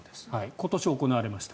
今年行われました。